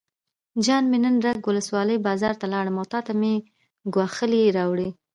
جان مې نن رګ ولسوالۍ بازار ته لاړم او تاته مې ګوښالي راوړې.